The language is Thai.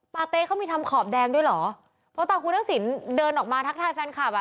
เต๊เขามีทำขอบแดงด้วยเหรอเพราะตาคุณทักษิณเดินออกมาทักทายแฟนคลับอ่ะ